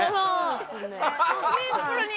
シンプルに。